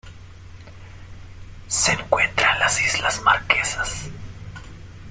Se encuentra en las islas Marquesas.